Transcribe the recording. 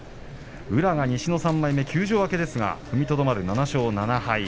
宇良が西の３枚目、休場明けですが踏みとどまり７勝７敗。